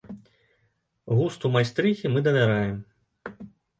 Густу майстрыхі мы давяраем.